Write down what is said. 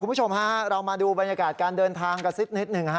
คุณผู้ชมฮะเรามาดูบรรยากาศการเดินทางกับซิดนิต๑๕